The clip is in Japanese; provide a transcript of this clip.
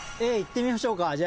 Ａいってみましょうか。